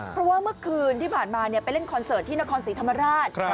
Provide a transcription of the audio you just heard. เพราะว่าเมื่อคืนที่ผ่านมาไปเล่นคอนเสิร์ตที่นครศรีธรรมราช